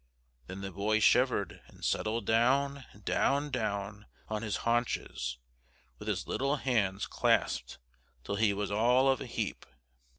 Then the boy shivered and settled down, down, down on his haunches, with his little hands clasped till he was all of a heap.